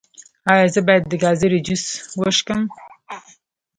ایا زه باید د ګازرې جوس وڅښم؟